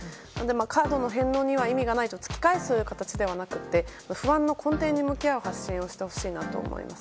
カードの返納には意味がないと突き返す形ではなくて不安の根底に向き合う発信をしてほしいなと思います。